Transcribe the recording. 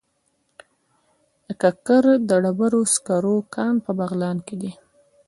د کرکر د ډبرو سکرو کان په بغلان کې دی.